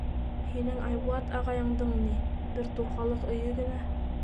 Һинең Айбулат ағайыңдың ни, бер туҡалыҡ өйө генә.